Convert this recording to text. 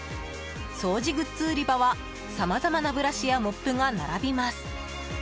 掃除グッズ売り場はさまざまなブラシやモップが並びます。